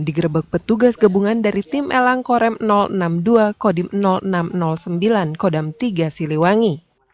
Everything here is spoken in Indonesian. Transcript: digerebek petugas gabungan dari tim elang korem enam puluh dua kodim enam ratus sembilan kodam tiga siliwangi